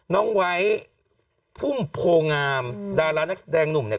ไว้พุ่มโพงามดารานักแสดงหนุ่มเนี่ย